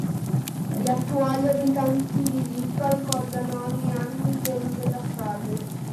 Gli attuali abitanti di Lippa ricordano ogni anno il giorno della strage.